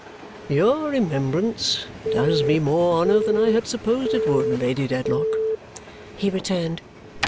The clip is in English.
"Your remembrance does me more honour than I had supposed it would, Lady Dedlock," he returned.